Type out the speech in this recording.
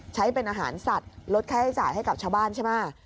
ใช้เป็นอาหารสัตว์ลดค่าใช้จ่ายให้กับชาวบ้านใช่ไหม